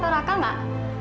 eh apa raka gak